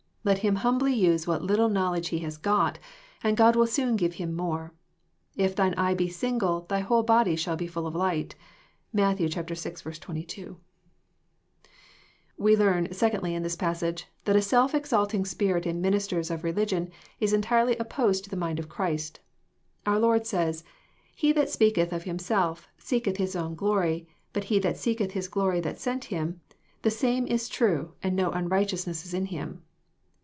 /Let him humbly usgs what little knowl edge he has got, and God will soon give him more.— ^ If thine eye be single, thy whole^ody shall be full of light.'* (Matt. vi. 22.) ^. p We learn, secondly, in this passage^ that a BeLf eosaUingX 9pirit in ministers of religion is entirely ojyposed to the mind \ of Clirist. Our Lord says, *' He that speaketh of himself seeketh his own glory ; but he that seeketh His glory that sent him, the same is true, and no unrighteousness is in him.